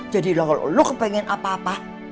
jadi kalau lo kepengen apa apa